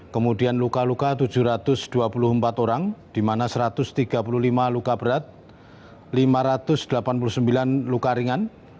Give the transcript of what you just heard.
kemudian luka luka tujuh ratus dua puluh empat orang di mana satu ratus tiga puluh lima luka berat lima ratus delapan puluh sembilan luka ringan